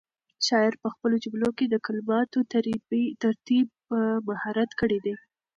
شاعر په خپلو جملو کې د کلماتو ترتیب په مهارت کړی دی.